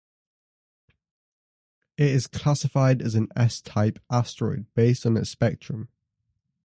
It is classified as an S-type asteroid based upon its spectrum.